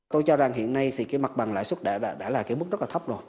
tôi cho rằng hiện nay thì cái mặt bằng lãi suất đã là cái mức rất là thấp rồi